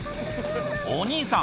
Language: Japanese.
お兄さん